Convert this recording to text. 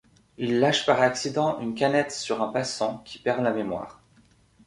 Il lâche par accident une canette sur un passant, qui perd la mémoire...